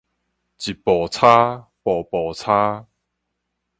一步差，步步差